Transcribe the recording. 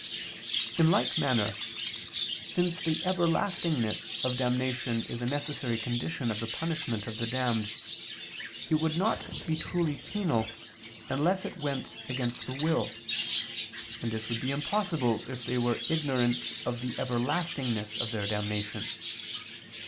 In like manner, since the everlastingness of damnation is a necessary condition of the punishment of the damned, it would not be truly penal unless it went against the will; and this would be impossible if they were ignorant of the everlastingness of their damnation.